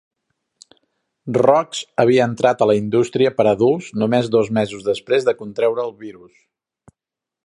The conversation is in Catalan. Roxx havia entrat a la indústria per a adults només dos mesos després de contreure el virus.